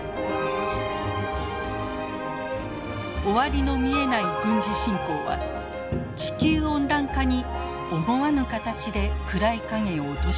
終わりの見えない軍事侵攻は地球温暖化に思わぬ形で暗い影を落としていました。